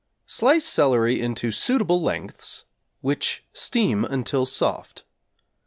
Slice celery into suitable lengths, which steam until soft.